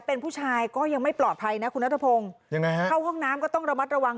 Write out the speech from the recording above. เป็นผู้ชายก็ยังไม่ปลอดภัยนะคุณเริ่มในห้องน้ำก็ต้องระมัดระวัง